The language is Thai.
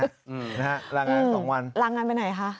ลางงานทั้ง๒วันนะฮะลางงานไปไหนคะ